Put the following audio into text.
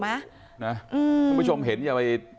คุณผู้ชมเห็นอย่าไป